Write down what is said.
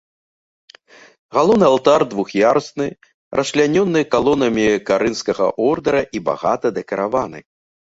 Галоўны алтар двух'ярусны, расчлянёны калонамі карынфскага ордара і багата дэкараваны.